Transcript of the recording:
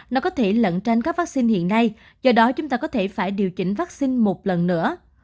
nó có thể lận trên các vaccine hiện nay do đó chúng ta có thể phải điều chỉnh vaccine một lần nữa